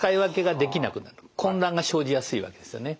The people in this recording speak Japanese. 混乱が生じやすいわけですよね。